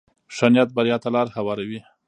ښه نیت بریا ته لاره هواروي.